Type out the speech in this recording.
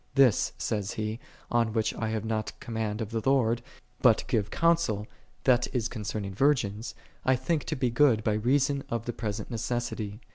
' This, saith he, on which I have not command of the Lord, but give counsel, that is concern ing virgins, I think to be good by reason of the present necessity.